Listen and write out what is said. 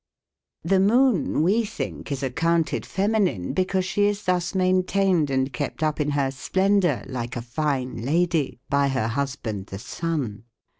The moon, we think, is accounted feminine, because she is thus maintained and kept up in her splen dor, like a fine lady, by her husband the sun.